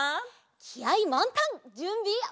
きあいまんたんじゅんびオッケー！